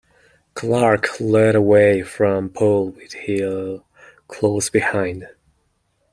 Clark led away from pole with Hill close behind.